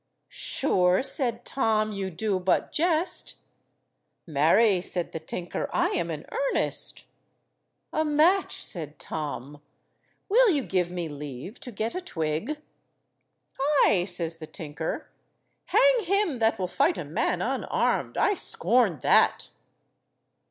"Sure," said Tom, "you do but jest?" "Marry," said the tinker, "I am in earnest." "A match," said Tom. "Will you give me leave to get a twig?" "Ay," says the tinker. "Hang him that will fight a man unarmed. I scorn that."